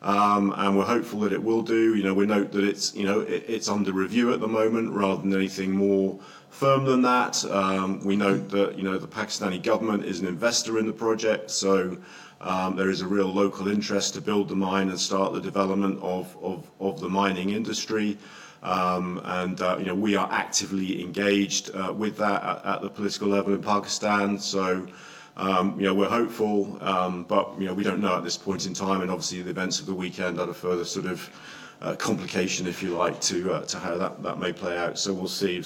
We're hopeful that it will do. You know, we note that it's, you know, it's under review at the moment rather than anything more firm than that. We note that, you know, the Pakistani government is an investor in the project. There is a real local interest to build the mine and start the development of the mining industry. You know, we are actively engaged with that at the political level in Pakistan. You know, we're hopeful, but, you know, we don't know at this point in time, and obviously the events of the weekend add a further sort of complication, if you like, to how that may play out. We'll see.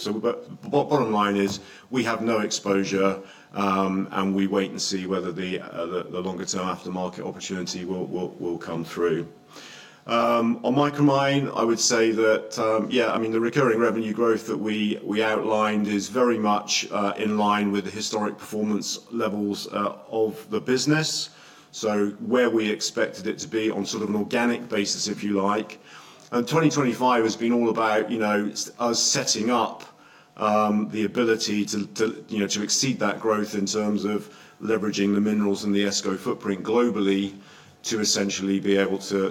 Bottom line is we have no exposure, and we wait and see whether the longer term aftermarket opportunity will come through. On Micromine, I would say that, yeah, I mean the recurring revenue growth that we outlined is very much in line with the historic performance levels of the business, so where we expected it to be on sort of an organic basis, if you like. 2025 has been all about, you know, us setting up, the ability to, you know, to exceed that growth in terms of leveraging the Minerals and the ESCO footprint globally to essentially be able to,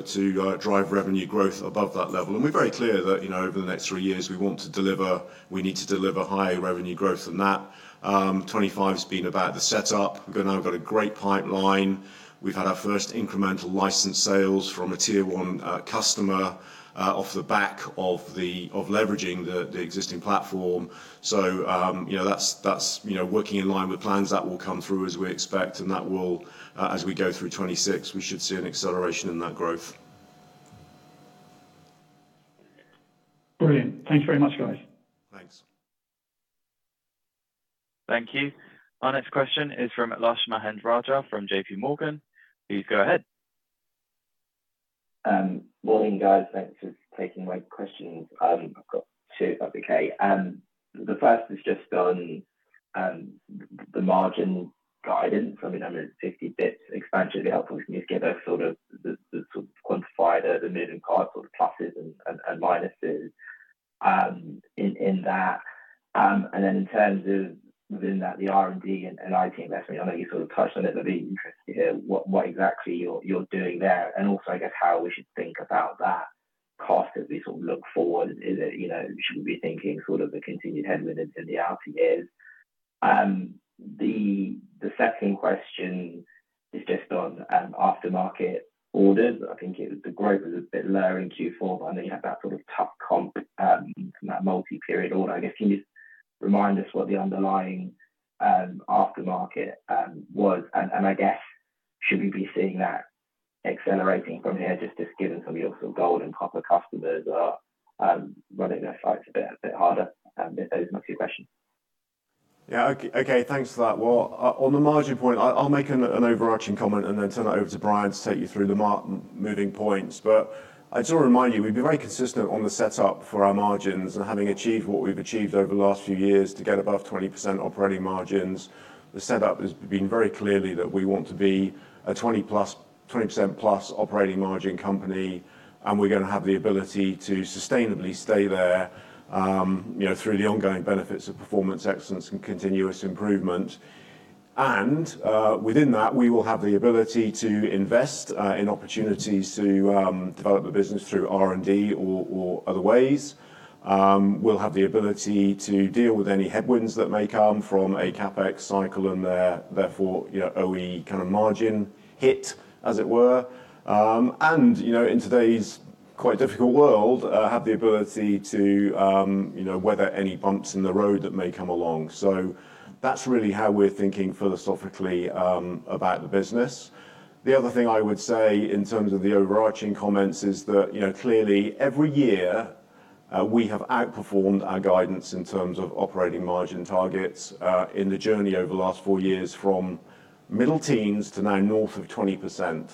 drive revenue growth above that level. We're very clear that, you know, over the next three years, we want to deliver, we need to deliver higher revenue growth than that. 2025 has been about the setup. We've now got a great pipeline. We've had our first incremental license sales from a tier one customer, off the back of leveraging the existing platform. You know, that's, you know, working in line with plans that will come through as we expect, and that will, as we go through 2026, we should see an acceleration in that growth. Brilliant. Thanks very much, guys. Thanks. Thank you. Our next question is from Lush Mahendrarajah from J.P. Morgan. Please go ahead. Morning, guys. Thanks for taking my questions. I've got two, if that's okay. The first is just on the margin guidance. I mean, I know 50 bits expansion would be helpful. Can you just give the sort of quantify the moving parts or the pluses and minuses in that? In terms of within that, the R&D and IT investment, I know you sort of touched on it, but I'd be interested to hear what exactly you're doing there. Also, I guess how we should think about that cost as we sort of look forward. Is it, you know, should we be thinking sort of the continued headwinds into the out years? The second question is just on aftermarket orders. I think the growth was a bit lower in Q4, but I know you had that sort of tough comp from that multi-period order. I guess, can you just remind us what the underlying aftermarket was and I guess should we be seeing that accelerating from here just given some of your sort of gold and copper customers are running their sites a bit harder? If those are my two questions. Okay, thanks for that. Well, on the margin point, I'll make an overarching comment and then turn that over to Brian to take you through the moving points. I just want to remind you, we've been very consistent on the setup for our margins and having achieved what we've achieved over the last few years to get above 20% operating margins. The setup has been very clearly that we want to be a 20%+ operating margin company, and we're gonna have the ability to sustainably stay there, you know, through the ongoing benefits of Performance Excellence and continuous improvement. Within that, we will have the ability to invest in opportunities to develop the business through R&D or other ways. We'll have the ability to deal with any headwinds that may come from a CapEx cycle, therefore, you know, OE kind of margin hit, as it were. You know, in today's quite difficult world, have the ability to, you know, weather any bumps in the road that may come along. That's really how we're thinking philosophically about the business. The other thing I would say in terms of the overarching comments is that, you know, clearly every year, we have outperformed our guidance in terms of operating margin targets in the journey over the last four years from middle teens to now north of 20%.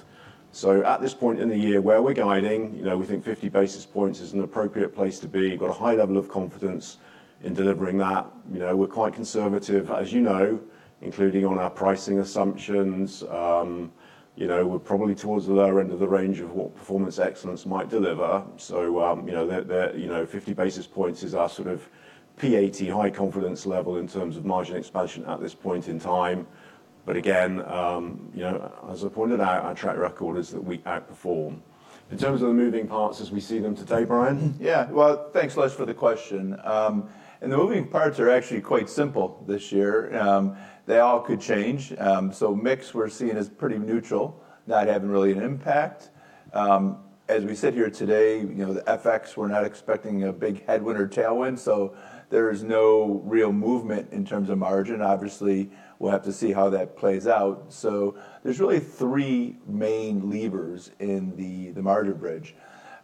At this point in the year where we're guiding, you know, we think 50 basis points is an appropriate place to be. Got a high level of confidence in delivering that. You know, we're quite conservative, as you know, including on our pricing assumptions. You know, we're probably towards the lower end of the range of what Performance Excellence might deliver. You know, the, you know, 50 basis points is our sort of PAT high confidence level in terms of margin expansion at this point in time. Again, you know, as I pointed out, our track record is that we outperform. In terms of the moving parts as we see them today, Brian? Yeah. Well, thanks, Lush, for the question. The moving parts are actually quite simple this year. They all could change. Mix we're seeing is pretty neutral, not having really an impact. As we sit here today, you know, the FX, we're not expecting a big headwind or tailwind, there is no real movement in terms of margin. Obviously, we'll have to see how that plays out. There's really three main levers in the margin bridge.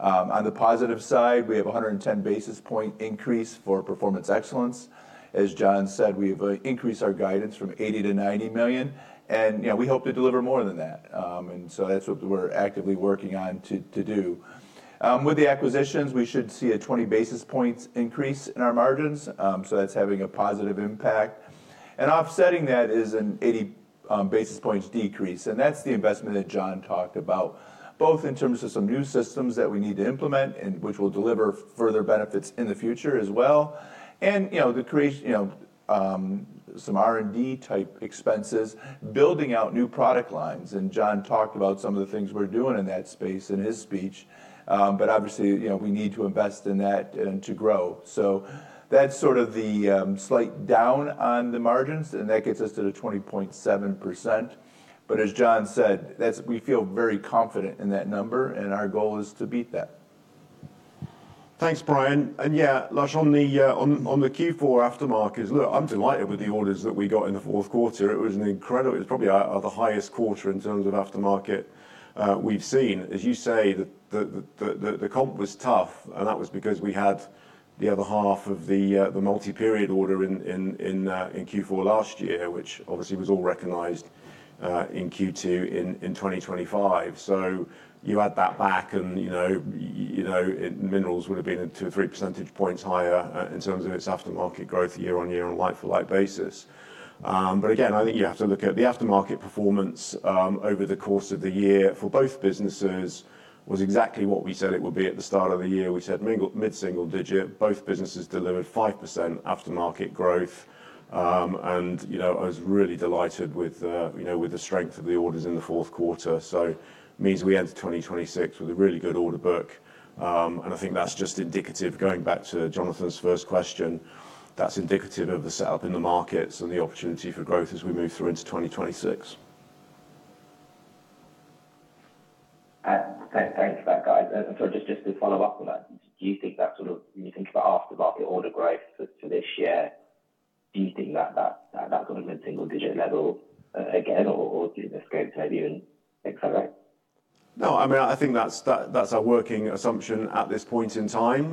On the positive side, we have a 110 basis point increase for Performance Excellence. As Jon said, we've increased our guidance from 80 million-90 million, you know, we hope to deliver more than that. That's what we're actively working on to do. With the acquisitions, we should see a 20 basis points increase in our margins. That's having a positive impact. Offsetting that is an 80 basis points decrease, and that's the investment that Jon talked about, both in terms of some new systems that we need to implement and which will deliver further benefits in the future as well. You know, the creation, you know, some R&D type expenses, building out new product lines, and Jon talked about some of the things we're doing in that space in his speech. Obviously, you know, we need to invest in that and to grow. That's sort of the slight down on the margins, and that gets us to the 20.7%. As Jon said, that's we feel very confident in that number, and our goal is to beat that. Thanks, Brian. Yeah, Lush, on the Q4 aftermarket, look, I'm delighted with the orders that we got in the fourth quarter. It was incredible. It's probably our highest quarter in terms of aftermarket we've seen. As you say, the comp was tough, that was because we had the other half of the multi-period order in Q4 last year, which obviously was all recognized in Q2 in 2025. You add that back and, you know, Minerals would have been 2 percentage points or 3 percentage points higher in terms of its aftermarket growth year-on-year on a like-for-like basis. Again, I think you have to look at the aftermarket performance over the course of the year for both businesses was exactly what we said it would be at the start of the year. We said mid-single digit. Both businesses delivered 5% aftermarket growth. You know, I was really delighted with, you know, with the strength of the orders in the fourth quarter. It means we enter 2026 with a really good order book. I think that's just indicative, going back to Jonathan's first question, that's indicative of the setup in the markets and the opportunity for growth as we move through into 2026. Thanks for that, guys. Just to follow up on that, do you think that sort of when you think about aftermarket order growth for this year, do you think that's at that kind of mid-single digit level again, or do you think the skies may be even clearer? No, I mean, I think that's our working assumption at this point in time,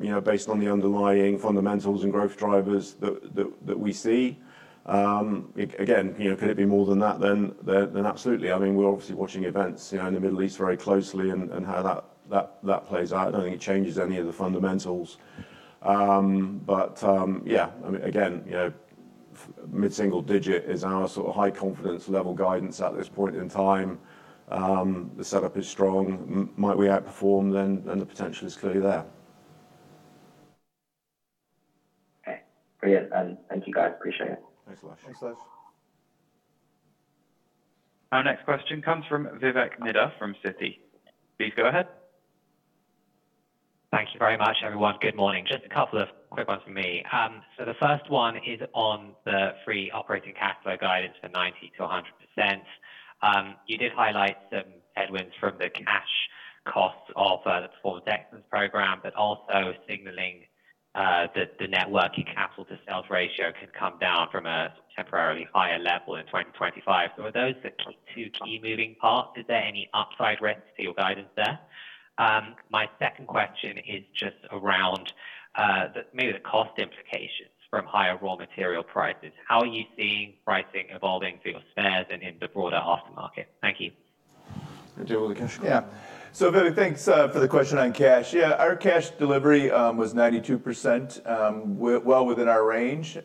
you know, based on the underlying fundamentals and growth drivers that we see. Again, you know, could it be more than that then? Then absolutely. I mean, we're obviously watching events, you know, in the Middle East very closely and how that plays out. I don't think it changes any of the fundamentals. Yeah, I mean, again, you know, mid-single digit is our sort of high confidence level guidance at this point in time. The setup is strong. Might we outperform then? Then the potential is clearly there. Okay. Brilliant. Thank you, guys. Appreciate it. Thanks, Lush. Thanks, Lush. Our next question comes from Vivek Midha from Citi. Please go ahead. Thank you very much, everyone. Good morning. Just a couple of quick ones from me. The first one is on the free operating cash flow guidance for 90%-100%. You did highlight some headwinds from the cash costs of the Performance Excellence program, but also signaling that the net working capital to sales ratio could come down from a temporarily higher level in 2025. Are those the two key moving parts? Is there any upside risk to your guidance there? My second question is just around maybe the cost implications from higher raw material prices. How are you seeing pricing evolving for your spares and in the broader aftermarket? Thank you. Do you want me to? Vivek, thanks for the question on cash. Our cash delivery was 92% well within our range.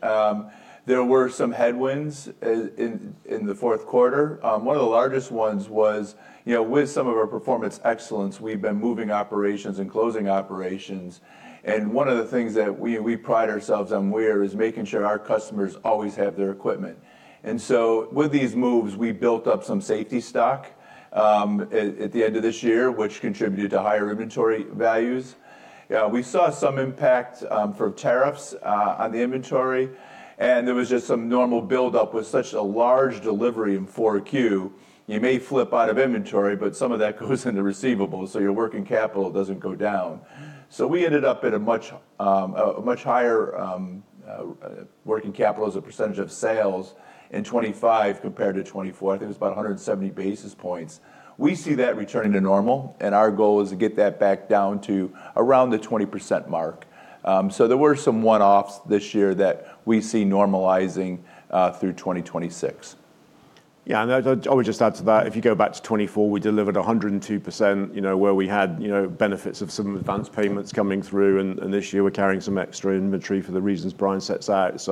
There were some headwinds in the fourth quarter. One of the largest ones was, you know, with some of our Performance Excellence, we've been moving operations and closing operations. One of the things that we pride ourselves on is making sure our customers always have their equipment. With these moves, we built up some safety stock at the end of this year, which contributed to higher inventory values. We saw some impact from tariffs on the inventory, there was just some normal build-up. With such a large delivery in four Q, you may flip out of inventory, some of that goes into receivables, your working capital doesn't go down. We ended up at a much, much higher working capital as a percentage of sales in 2025 compared to 2024. I think it was about 170 basis points. We see that returning to normal. Our goal is to get that back down to around the 20% mark. There were some one-offs this year that we see normalizing through 2026. Yeah, I would just add to that. If you go back to 2024, we delivered 102%, you know, where we had, you know, benefits of some advanced payments coming through. This year we're carrying some extra inventory for the reasons Brian sets out.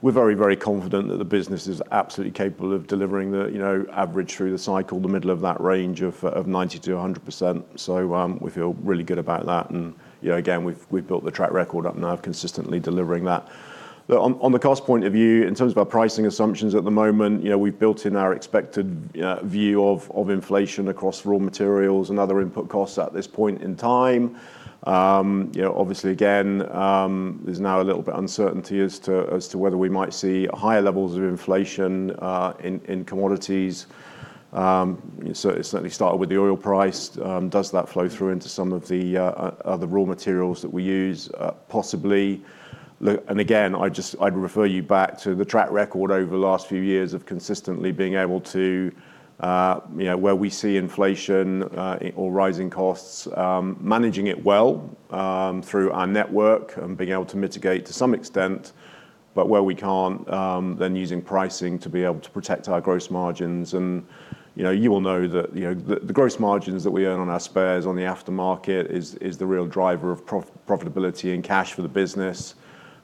We're very, very confident that the business is absolutely capable of delivering the, you know, average through the cycle, the middle of that range of 90%-100%. We feel really good about that. You know, again, we've built the track record up now of consistently delivering that. On the cost point of view, in terms of our pricing assumptions at the moment, you know, we've built in our expected view of inflation across raw materials and other input costs at this point in time. You know, obviously again, there's now a little bit uncertainty as to whether we might see higher levels of inflation in commodities. It certainly started with the oil price. Does that flow through into some of the raw materials that we use? Possibly. Again, I'd refer you back to the track record over the last few years of consistently being able to, you know, where we see inflation or rising costs, managing it well through our network and being able to mitigate to some extent, but where we can't, then using pricing to be able to protect our gross margins. You know, you all know that the gross margins that we earn on our spares on the aftermarket is the real driver of profitability and cash for the business.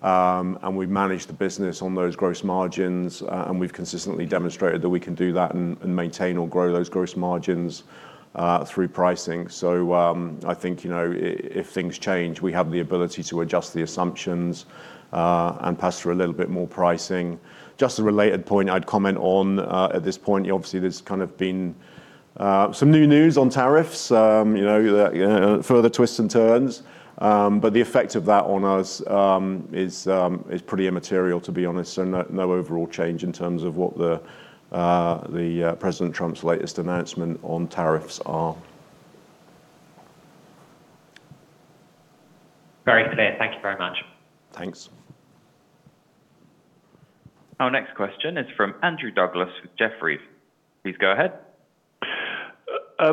We manage the business on those gross margins, and we've consistently demonstrated that we can do that and maintain or grow those gross margins through pricing. I think, you know, if things change, we have the ability to adjust the assumptions and pass through a little bit more pricing. Just a related point I'd comment on at this point, obviously there's kind of been some new news on tariffs, you know, further twists and turns. The effect of that on us, is pretty immaterial to be honest, and no overall change in terms of what the, President Trump's latest announcement on tariffs are. Very clear. Thank you very much. Thanks. Our next question is from Andrew Douglas with Jefferies. Please go ahead.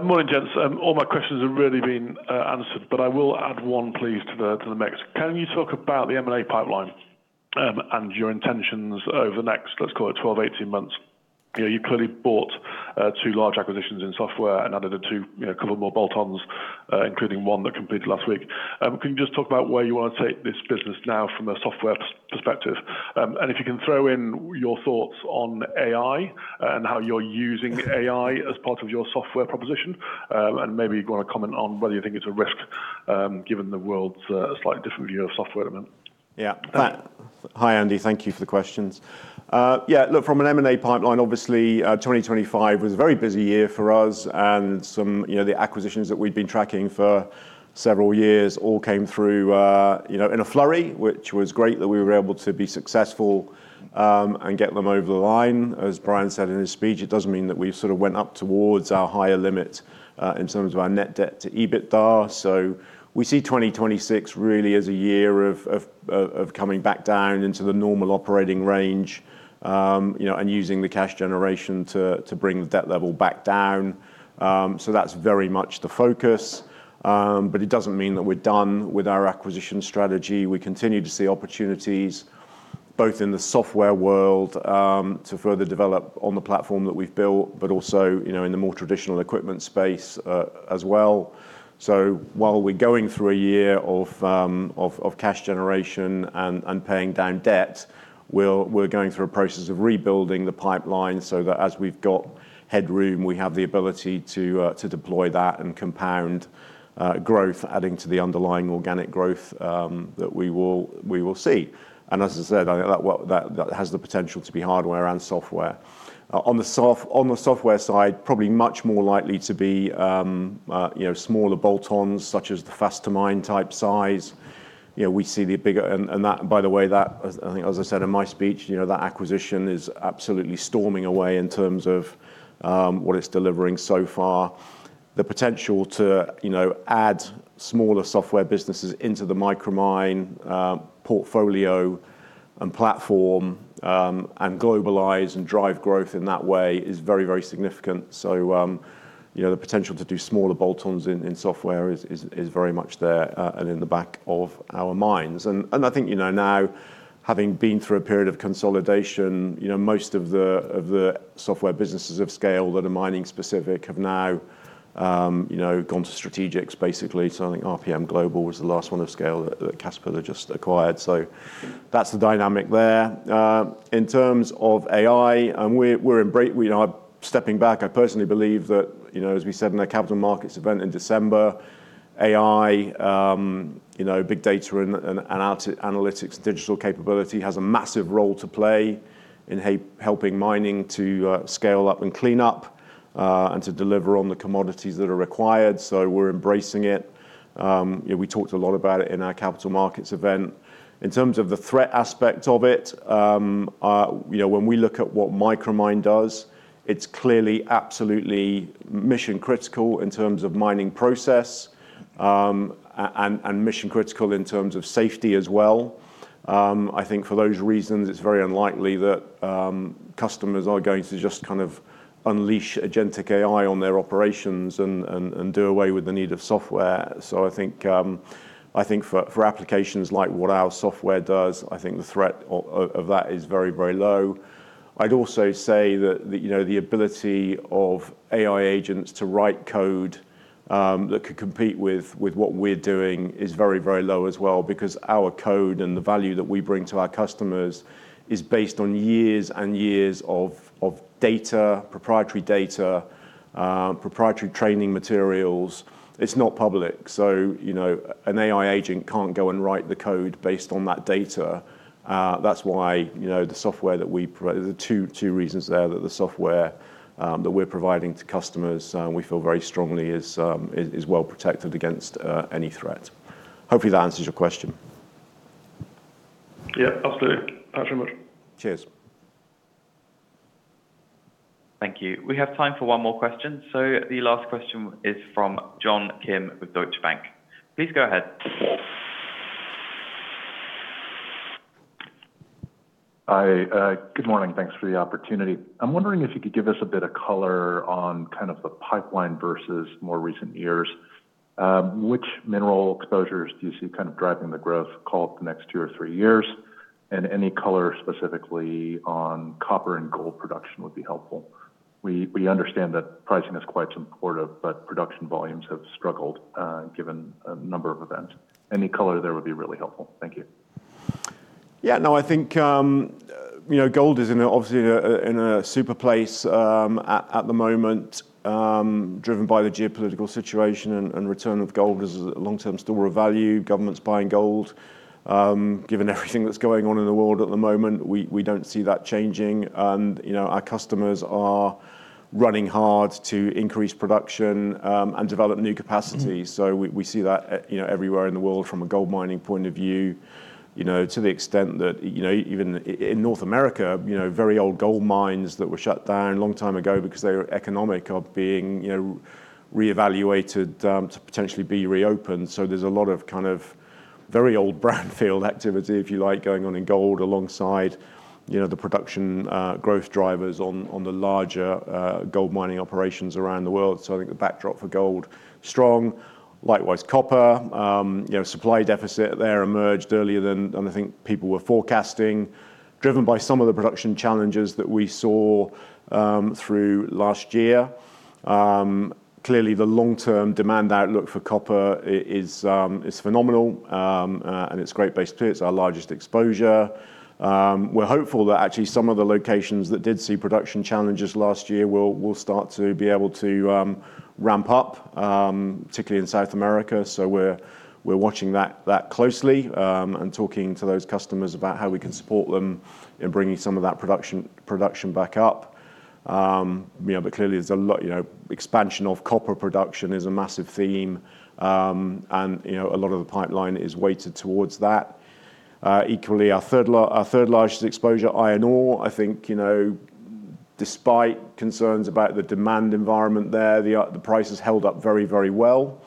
Morning, gents. All my questions have really been answered. I will add one please to the mix. Can you talk about the M&A pipeline and your intentions over the next, let's call it 12, 18 months? You know, you clearly bought two large acquisitions in software and added, you know, couple more bolt-ons, including one that completed last week. Can you just talk about where you wanna take this business now from a software perspective? If you can throw in your thoughts on AI and how you're using AI as part of your software proposition, and maybe you wanna comment on whether you think it's a risk, given the world's slightly different view of software at the moment. Yeah. Hi, Andy. Thank you for the questions. Yeah, look, from an M&A pipeline, obviously, 2025 was a very busy year for us, and some, you know, the acquisitions that we'd been tracking for several years all came through, you know, in a flurry, which was great that we were able to be successful and get them over the line. As Brian said in his speech, it doesn't mean that we sort of went up towards our higher limit, in terms of our net debt to EBITDA. We see 2026 really as a year of coming back down into the normal operating range, you know, and using the cash generation to bring the debt level back down. That's very much the focus, but it doesn't mean that we're done with our acquisition strategy. We continue to see opportunities both in the software world, to further develop on the platform that we've built, but also, you know, in the more traditional equipment space, as well. While we're going through a year of cash generation and paying down debt, we're going through a process of rebuilding the pipeline so that as we've got headroom, we have the ability to deploy that and compound growth, adding to the underlying organic growth that we will see. And as I said, I think that that has the potential to be hardware and software. On the software side, probably much more likely to be, you know, smaller bolt-ons such as the Fast2Mine type size. You know, we see the bigger... That, by the way, that as, I think as I said in my speech, you know, that acquisition is absolutely storming away in terms of what it's delivering so far. The potential to, you know, add smaller software businesses into the Micromine portfolio and platform and globalize and drive growth in that way is very, very significant. The potential to do smaller bolt-ons in software is very much there and in the back of our minds. I think, you know, now having been through a period of consolidation, you know, most of the software businesses of scale that are mining specific have now, you know, gone to strategics basically. I think RPM Global was the last one of scale that Caterpillar just acquired. That's the dynamic there. In terms of AI, We are stepping back. I personally believe that, you know, as we said in the capital markets event in December, AI, you know, big data and analytics, digital capability has a massive role to play in helping mining to scale up and clean up, and to deliver on the commodities that are required. We're embracing it. You know, we talked a lot about it in our capital markets event. In terms of the threat aspect of it, you know, when we look at what Micromine does, it's clearly absolutely mission-critical in terms of mining process, and mission-critical in terms of safety as well. I think for those reasons, it's very unlikely that customers are going to just kind of unleash agentic AI on their operations and do away with the need of software. I think for applications like what our software does, I think the threat of that is very, very low. I'd also say that, you know, the ability of AI agents to write code that could compete with what we're doing is very, very low as well because our code and the value that we bring to our customers is based on years and years of data, proprietary data, proprietary training materials. It's not public, so, you know, an AI agent can't go and write the code based on that data. That's why, you know, the software that we There are two reasons there that the software that we're providing to customers, we feel very strongly is well protected against any threat. Hopefully, that answers your question. Yeah, absolutely. Thanks so much. Cheers. Thank you. We have time for one more question. The last question is from John Kim with Deutsche Bank. Please go ahead. Hi. good morning. Thanks for the opportunity. I'm wondering if you could give us a bit of color on kind of the pipeline versus more recent years. Which mineral exposures do you see kind of driving the growth call it the next two or three years? Any color specifically on copper and gold production would be helpful. We understand that pricing is quite supportive, but production volumes have struggled, given a number of events. Any color there would be really helpful. Thank you. Yeah. No, I think, you know, gold is obviously in a super place, at the moment, driven by the geopolitical situation and return of gold as a long-term store of value, governments buying gold. Given everything that's going on in the world at the moment, we don't see that changing. Our customers are running hard to increase production, and develop new capacity. We see that, you know, everywhere in the world from a gold mining point of view, you know, to the extent that, you know, even in North America, you know, very old gold mines that were shut down a long time ago because they were economic are being, you know, reevaluated, to potentially be reopened. There's a lot of kind of very old brownfield activity, if you like, going on in gold alongside, you know, the production growth drivers on the larger gold mining operations around the world. I think the backdrop for gold, strong. Likewise, copper, you know, supply deficit there emerged earlier than I think people were forecasting, driven by some of the production challenges that we saw through last year. Clearly the long-term demand outlook for copper is phenomenal and it's great base too. It's our largest exposure. We're hopeful that actually some of the locations that did see production challenges last year will start to be able to ramp up particularly in South America. We're watching that closely, and talking to those customers about how we can support them in bringing some of that production back up. You know, but clearly there's a lot, you know. Expansion of copper production is a massive theme. And, you know, a lot of the pipeline is weighted towards that. Equally, our third largest exposure, iron ore, I think, you know, despite concerns about the demand environment there, the price has held up very well.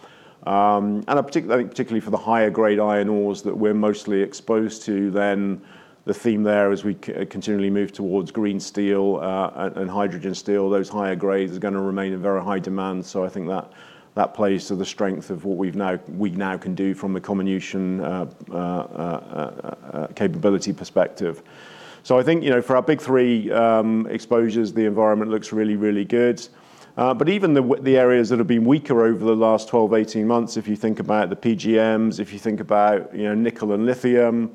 And particularly for the higher grade iron ores that we're mostly exposed to, then the theme there as we continually move towards green steel, and hydrogen steel, those higher grades are gonna remain in very high demand. I think that plays to the strength of what we now can do from a combination capability perspective. I think, you know, for our big three exposures, the environment looks really, really good. Even the areas that have been weaker over the last 12, 18 months, if you think about the PGMs, if you think about, you know, nickel and lithium,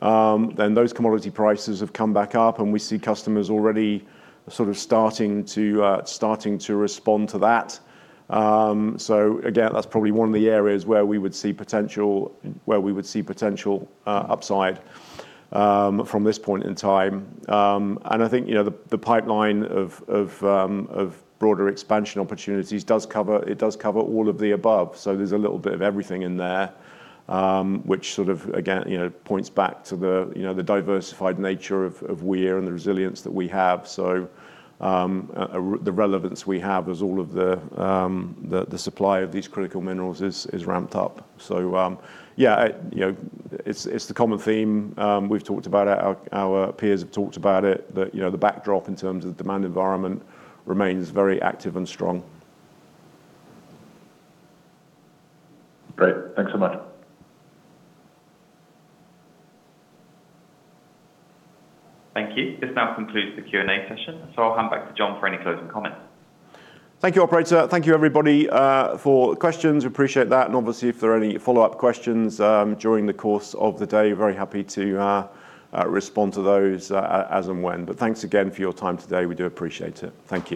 then those commodity prices have come back up, and we see customers already sort of starting to respond to that. Again, that's probably one of the areas where we would see potential upside from this point in time. I think, you know, the pipeline of broader expansion opportunities it does cover all of the above. There's a little bit of everything in there, which sort of again, you know, points back to the, you know, the diversified nature of Weir and the resilience that we have. The relevance we have as all of the supply of these critical minerals is ramped up. Yeah, you know, it's the common theme. We've talked about it. Our peers have talked about it, that, you know, the backdrop in terms of the demand environment remains very active and strong. Great. Thanks so much. Thank you. This now concludes the Q&A session, so I'll hand back to Jon for any closing comments. Thank you, operator. Thank you everybody for the questions. We appreciate that. Obviously, if there are any follow-up questions during the course of the day, very happy to respond to those as and when. Thanks again for your time today. We do appreciate it. Thank you.